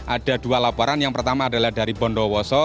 ada dua laporan yang pertama adalah dari bondo woso